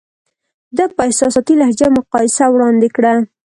ده په احساساتي لهجه مقایسه وړاندې کړه.